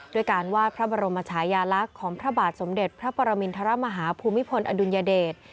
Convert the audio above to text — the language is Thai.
ด้วยการวาดพระบรมชายาลักษณ์ของพระบาทสมเด็จพระปรมินทรมาฮาภูมิพลอดุลยเดช